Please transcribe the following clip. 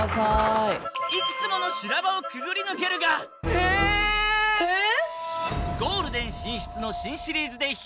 ええっ！？